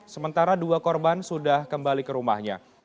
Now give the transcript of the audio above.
sementara dua korban sudah kembali ke rumahnya